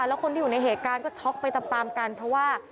แล้วคนที่อยู่ในเหตุการณ์ก็ช็อกไปตามกันเพราะว่า